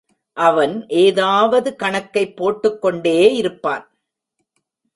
அவன் ஏதாவது கணக்கைப் போட்டுக் கொண்டே இருப்பான்.